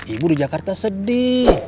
ibu di jakarta sedih